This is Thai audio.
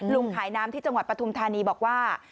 ลุงขายน้ำที่จังหวัดปฐุมธานีบอกว่า